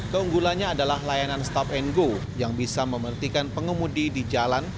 keunggulannya adalah layanan stop and go yang bisa memertikan pengemudi di jalan